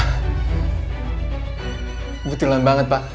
kebetulan banget pak